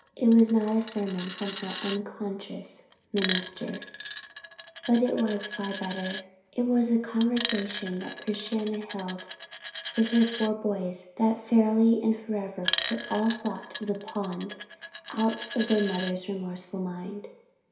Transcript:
It was not a sermon from her unconscious minister, but it was far better; it was a conversation that Christiana held with her four boys that fairly and for ever put all thought of the pond out of their mother's remorseful mind.